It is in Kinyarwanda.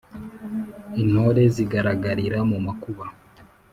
intore zigaragarira mu makuba